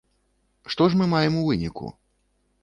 Што ж мы маем у выніку?